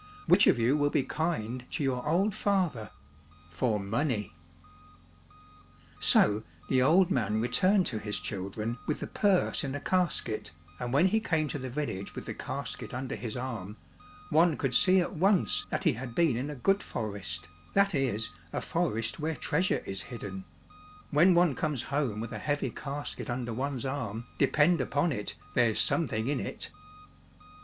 Which of you will be kind to your old father — for money .^'" So the old man returned to his children with the purse in a casket, and when he came to the village with the casket under his arm, one could see at once that he had been in a good forest} When one comes home with a heavy casket under one's arm, depend upon it there's something in it